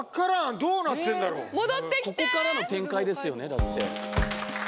ここからの展開ですよね。